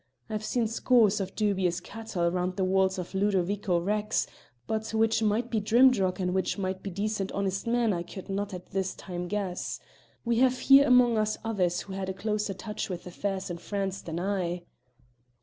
I've seen scores of dubious cattle round the walls of Ludo vico Rex, but which might be Drimdarroch and which might be decent honest men, I could not at this time guess. We have here among us others who had a closer touch with affairs in France than I."